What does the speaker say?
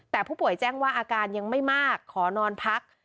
แต่ผู้ป่วยแจ้งว่าอาการยังไม่มากขอนอนพัก